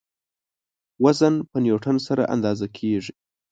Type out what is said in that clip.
وزن په نیوټن سره اندازه کیږي.